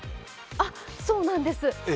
あっ、そうなんです。